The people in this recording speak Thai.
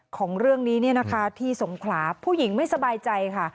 ของเรื่องนี้ที่สงขาผู้หญิงไม่สบายใจค่ะ